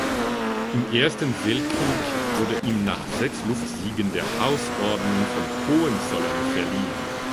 Im Ersten Weltkrieg wurde ihm nach sechs Luftsiegen der Hausorden von Hohenzollern verliehen.